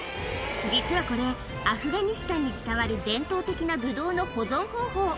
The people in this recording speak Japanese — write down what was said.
実はこれ、アフガニスタンに伝わる伝統的なブドウの保存方法。